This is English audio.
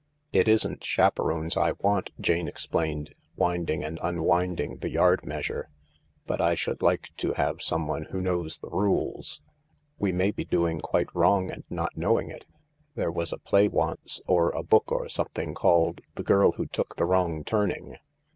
" It isn't chaperones I want," Jane explained, winding and unwinding the yard measure. " But I should like to have someone who knows the rules. We may be doing quite wrong and not knowing it. There was a play once, or a book or something, called ' The Girl Who Took the Wrong Turning.'